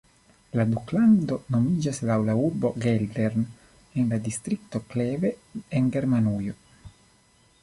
La duklando nomiĝas laŭ la urbo Geldern en la distrikto Kleve en Germanujo.